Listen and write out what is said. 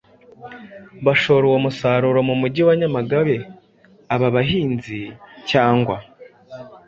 bashora uwo musaruro mu mujyi wa Nyamagabe.Aba bahinzi cyangwa